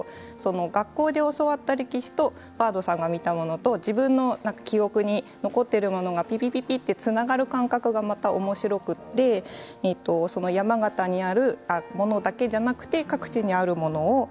学校で教わった歴史とバードさんが見たものと自分の記憶に残っているものがピピピとつながる感覚がまたおもしろくて山形にあるものだけじゃなくて各地にあるもの